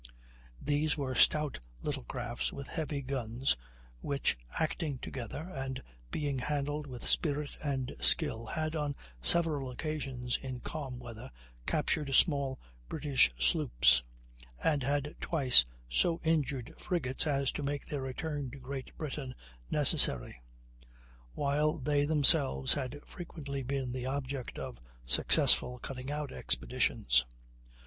These were stout little crafts, with heavy guns, which, acting together, and being handled with spirit and skill, had on several occasions in calm weather captured small British sloops, and had twice so injured frigates as to make their return to Great Britain necessary; while they themselves had frequently been the object of successful cutting out expeditions.